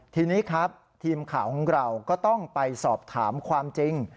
ทีนี้ครับทีมข่าวของเราก็ต้องไปสอบถามความจริง